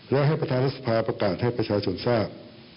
และให้ประธานรัฐสภาประกาศให้ประชาชนทราบ